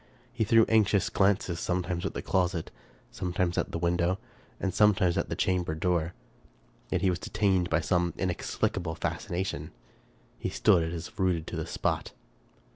He threw anxious glances sometimes at the closet, sometimes at the window, and sometimes at the chamber door; yet he was detained by some inexplicable fascination. He stood as if rooted to the spot.